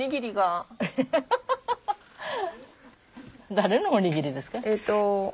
誰のおにぎりですか？